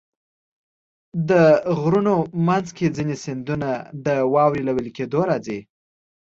د غرونو منځ کې ځینې سیندونه د واورې له وېلې کېدو راځي.